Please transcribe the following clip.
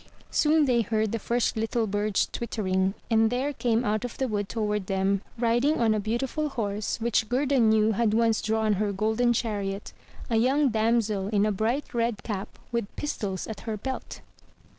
Soon they heard the first little birds twittering and there came out of the wood toward them, riding on a beautiful horse which Gerda knew had once drawn her golden chariot, a young damsel in a bright red cap with pis tols at her belt.